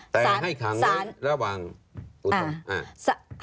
แต่ให้ขังระหว่างอุทธม